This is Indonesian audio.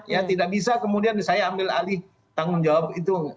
ya tidak bisa kemudian saya ambil alih tanggung jawab itu